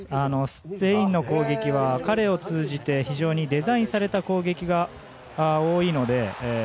スペインの攻撃は彼を通じて、非常にデザインされた攻撃が多いので。